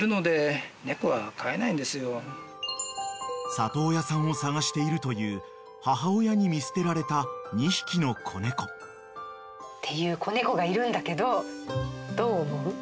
［里親さんを探しているという母親に見捨てられた２匹の子猫］っていう子猫がいるんだけどどう思う？